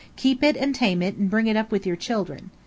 Keep it and tame it and bring it up with your children."